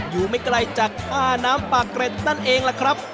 อยู่ไม่ไกลจากท่าน้ำปากเกร็ดนั่นเองล่ะครับ